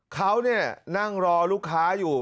เขานั่งรอลูกค้าอยู่